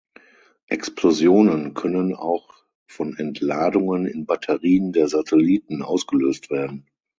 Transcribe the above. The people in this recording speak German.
Explosionen können auch von Entladungen in Batterien der Satelliten ausgelöst werden.